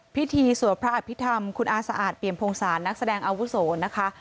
พิธีสวดพระอภิษฐรรมคุณอาสะอาดเปี่ยมพงศาลนักแสดงอาวุโสนะคะ